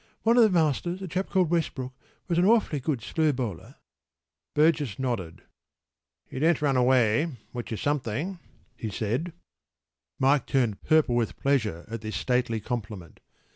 One of the masters, a chap called Westbrook, was an awfully good slow bowler.” Burgess nodded. “You don’t run away, which is something,” he said. Mike turned purple with pleasure at this stately compliment.